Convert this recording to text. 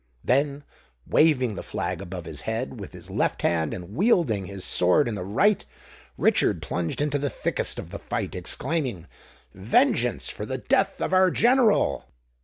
Then, waving the flag above his head with his left hand, and wielding his sword in the right, Richard plunged into the thickest of the fight, exclaiming, "Vengeance for the death of our general!"